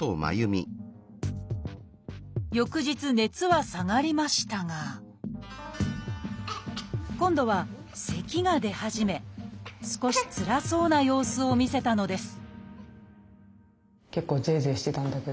翌日熱は下がりましたが今度はせきが出始め少しつらそうな様子を見せたのです